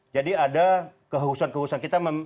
jadi ada kehususan kehususan kita